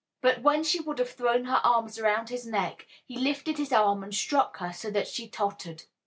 But when she would have thrown her arms around his neck he lifted his arm and struck her so that she tottered.